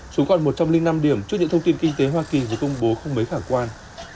xuống còn một trăm linh năm điểm trước những thông tin kinh tế hoa kỳ vừa công bố không mấy khả quan